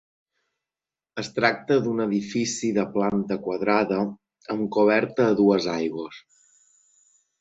Es tracta d'un edifici de planta quadrada amb coberta a dues aigües.